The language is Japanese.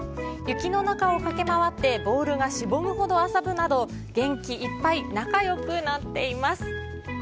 雪の中を駆け回ってボールがしぼむほど遊ぶなど、元気いっぱい、仲よくなっています。